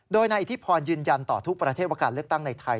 โดยนายอิทธิพรยืนยันต่อทุกประเทศว่าการเลือกตั้งในไทย